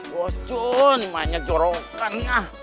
bos jun ini banyak jorokan